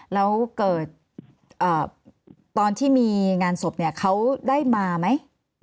แล้วเกิดตอนที่มีงานศพเนี่ยเขาได้มาไหม